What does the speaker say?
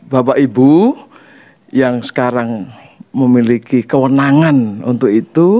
bapak ibu yang sekarang memiliki kewenangan untuk itu